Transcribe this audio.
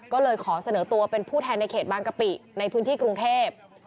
ก็เลยขอเสนอตัวเป็นผู้แทนในเขตบางกะปิในพื้นที่กรุงเทพ